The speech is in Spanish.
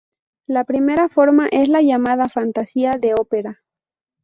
La primera forma es la llamada fantasía de ópera.